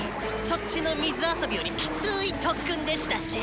そっちの水遊びよりキツイ特訓でしたしぃ！